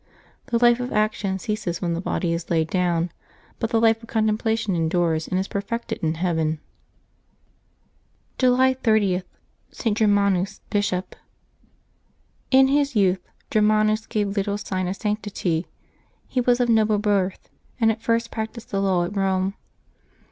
The life of action ceases when the body is laid down; but the life of contemplation endures and is per fected in heaven. July 30.— ST. GERMANUS, Bishop. IX his youth Germanus gave little sign of sanctity. He was of noble birth, and at first practised the law at Rome.